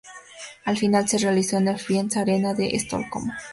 La final se realizó en el Friends Arena de Estocolmo.